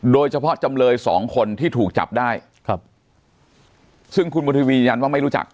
จำเลยสองคนที่ถูกจับได้ครับซึ่งคุณมณฑวียันว่าไม่รู้จัก